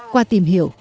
qua tìm hiểu